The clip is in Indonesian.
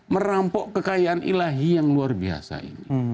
merampok kekayaan ilahi yang luar biasa ini